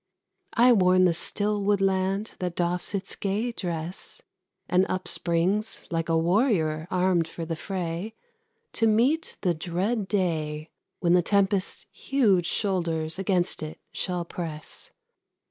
I warn the still woodland, that doffs its gay dress And upsprings, like a warrior armed for the fray, To meet the dread day When the Tempest's huge shoulders against it shall press.